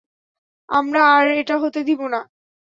আমরা আর এটা হতে দিব না।